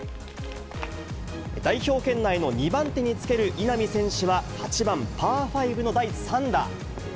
代表圏内の２番手につける稲見選手は８番パー５の第３打。